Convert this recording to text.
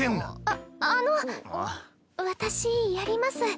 ああの私やります。